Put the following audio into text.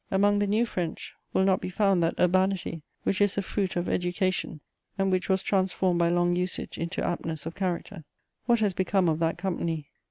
Among the new French will not be found that urbanity which is the fruit of education, and which was transformed by long usage into aptness of character. What has become of that company?